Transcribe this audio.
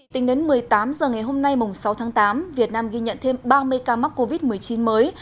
tính đến một mươi tám h ngày hôm nay sáu tháng tám việt nam ghi nhận thêm ba mươi ca mắc covid một mươi chín mới